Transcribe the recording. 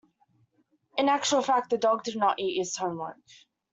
In actual fact, the dog did not eat his homework.